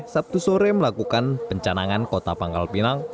sabtu sore melakukan pencanangan kota pangkal pinang